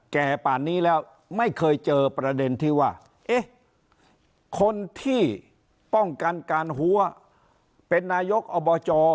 ป่านนี้แล้วไม่เคยเจอประเด็นที่ว่าเอ๊ะคนที่ป้องกันการหัวเป็นนายกอบจ